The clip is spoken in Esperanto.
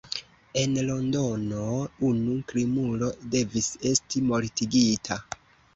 En Londono unu krimulo devis esti mortigita.